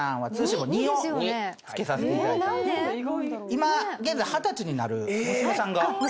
今現在二十歳になる娘さんが。